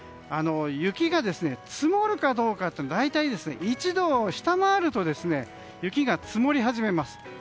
雪が積もるかどうかというのは大体１度を下回ると雪が積もり始めます。